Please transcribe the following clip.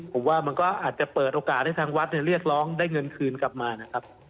ผมว่ามันก็อาจจะเปิดโอกาสให้ทางวัดเรียกร้องได้เงินคืนกลับมานะครับ